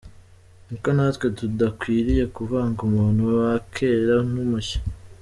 Niko natwe tudakwiriye kuvanga umuntu wa kera n’umushya.